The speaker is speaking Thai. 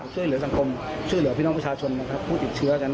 ชื่อเหลือสังคมชื่อเหลือพินองประชาชนผู้ถึงเฉือกั้น